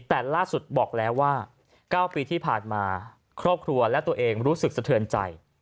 แต่ล่าสุดบอกแล้วว่า๙ปีที่ผ่านมาครอบครัวและตัวเองรู้สึกสะเทือนใจ